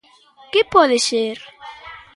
¿Que pode ser?